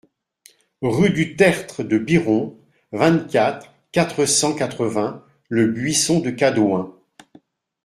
Rue du Tertre de Biron, vingt-quatre, quatre cent quatre-vingts Le Buisson-de-Cadouin